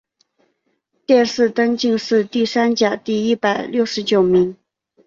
殿试登进士第三甲第一百六十九名。